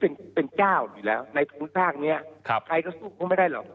เป็นเป็นเจ้าอยู่แล้วในผู้ทางเนี่ยครับใครขึ้นไม่ได้หรอก